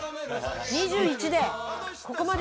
２１でここまで！